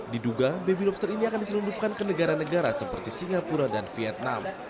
diduga baby lobster ini akan diselundupkan ke negara negara seperti singapura dan vietnam